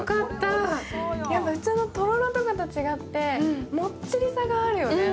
普通のとろろとかと違ってもっちりさがあるよね。